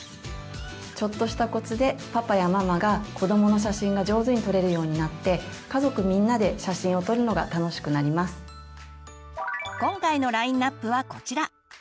ちょっとしたコツでパパやママが子どもの写真が上手に撮れるようになって今回のラインアップはこちら。